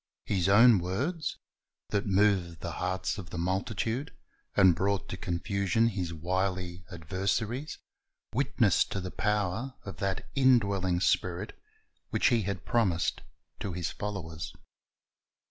His own words, that moved the hearts of the multitude, and brought to confusion His wily adversaries, witnessed to the power of that indwelling Spirit which He had promised to His followers.